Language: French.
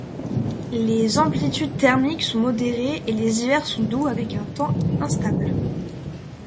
Les amplitudes thermiques sont modérées et les hivers sont doux avec un temps instable.